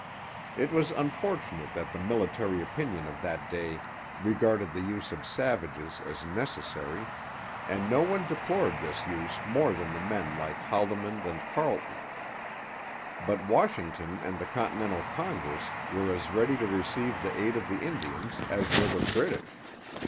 It was unfortunate that the military opinion of that day regarded the use of savages as necessary, and no one deplored this use more than men like Haldimand and Carleton; but Washington and the Continental Congress were as ready to receive the aid of the Indians as were the British.